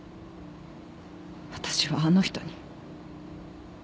私はあの人に。